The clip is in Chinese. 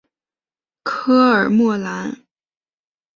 科尔莫兰。